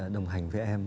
đồng hành với em